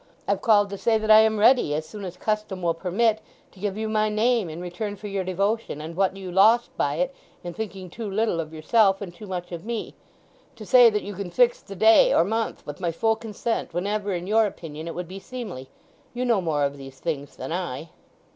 I've called to say that I am ready, as soon as custom will permit, to give you my name in return for your devotion and what you lost by it in thinking too little of yourself and too much of me; to say that you can fix the day or month, with my full consent, whenever in your opinion it would be seemly: you know more of these things than I."